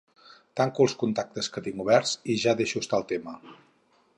Tanco els contactes que tinc oberts i ja deixo estar el tema.